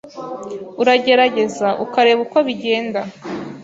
Uragerageza ukareba uko bigenda.